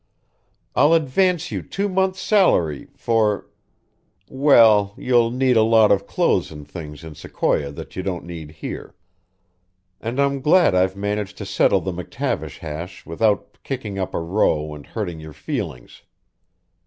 I'll advance you two months' salary for well, you'll need a lot of clothes and things in Sequoia that you don't need here. And I'm glad I've managed to settle the McTavish hash without kicking up a row and hurting your feelings.